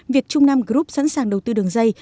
việc trung nam group sẵn sàng đầu tư đường dây